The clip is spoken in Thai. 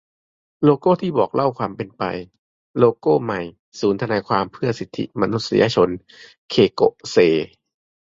โลโก้ที่บอกเล่าความเป็นไป : โลโก้ใหม่ศูนย์ทนายความเพื่อสิทธิมนุษยชน - เคโกะ เซ